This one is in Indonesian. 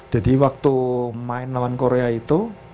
jadi waktu main lawan korea itu